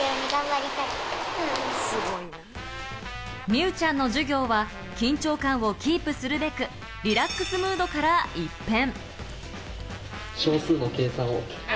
美羽ちゃんの授業は緊張感をキープするべく、リラックスムードから一変。